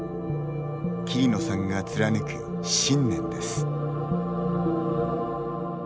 桐野さんが貫く信念です。